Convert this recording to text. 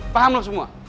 paham lu semua